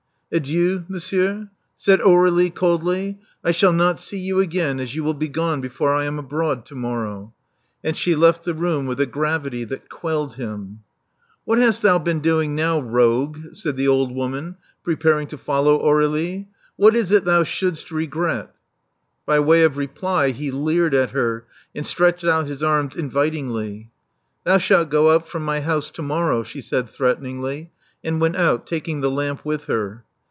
Adieu, monsieur," said Aur^lie coldly. I shall not see you again, as you will be gone before I am abroad to morrow." And she left the room with a gravity that quelled him. What hast thou been doing now, rogue?" said the old woman, preparing to follow Aur^lie. What is it thou shouldst regret? " By way of reply, he leered at her, and stretched out his arms invitingly. Thou shalt go out from my house to morrow," she said threateningly; and went out, taking the lamp with her.